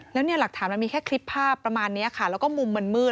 แล้วเนี่ยหลักฐานมันมีแค่คลิปภาพประมาณนี้ค่ะแล้วก็มุมมันมืด